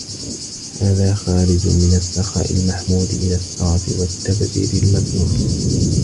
هَذَا خَارِجٌ مِنْ السَّخَاءِ الْمَحْمُودِ إلَى السَّرَفِ وَالتَّبْذِيرِ الْمَذْمُومِ